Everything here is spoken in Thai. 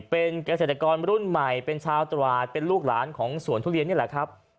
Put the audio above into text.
เป็นเกษตรกรรุ่นใหม่เป็นชาวตราดเป็นลูกหลานของสวนทุเรียนนี่แหละครับ